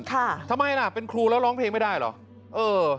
ทำไมล่ะเป็นครูแล้วร้องเพลงไม่ได้เหรอเออ